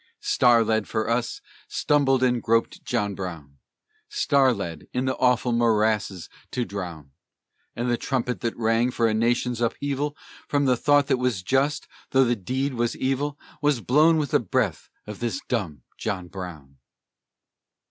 Star led for us, stumbled and groped John Brown, Star led, in the awful morasses to drown; And the trumpet that rang for a nation's upheaval, From the thought that was just, thro' the deed that was evil, Was blown with the breath of this dumb John Brown!